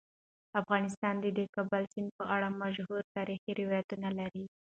افغانستان د د کابل سیند په اړه مشهور تاریخی روایتونه لري.